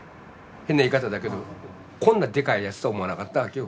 変な言い方だけどこんなでかいやつとは思わなかったわけよ。